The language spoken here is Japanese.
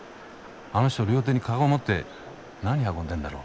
あの人両手に籠持って何運んでんだろ？